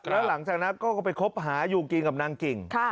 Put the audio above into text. แล้วหลังจากนั้นก็ไปคบหาอยู่กินกับนางกิ่ง